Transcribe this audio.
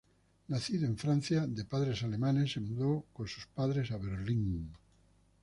Nacido en Francia de padres alemanes, se mudó con sus padres a Berlín.